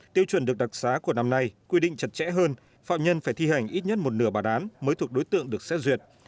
tiêu chuẩn được đặc xá của năm nay quy định chặt chẽ hơn phạm nhân phải thi hành ít nhất một nửa bản án mới thuộc đối tượng được xét duyệt